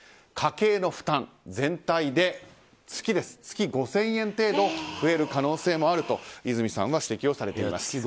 家計の負担全体で月５０００円程度増える可能性もあると和泉さんは指摘をされています。